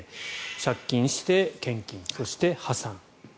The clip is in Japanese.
借金して、献金そして破産。